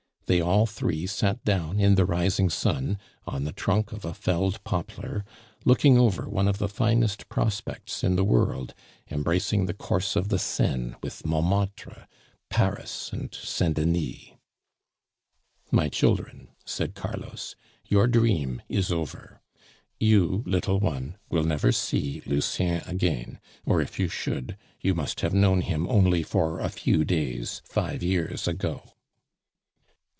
They all three sat down in the rising sun, on the trunk of a felled poplar, looking over one of the finest prospects in the world, embracing the course of the Seine, with Montmartre, Paris, and Saint Denis. "My children," said Carlos, "your dream is over. You, little one, will never see Lucien again; or if you should, you must have known him only for a few days, five years ago."